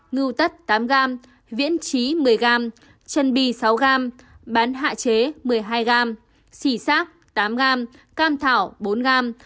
ngưu tất tám g viễn trí một mươi g chân bi sáu g bán hạ chế một mươi hai g xỉ sắc tám g cam thảo bốn g